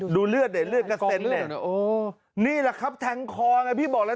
ดูเลือดดิเลือดกระเซ็นดินี่แหละครับแทงคอไงพี่บอกแล้ว